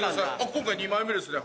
今回２枚目ですね。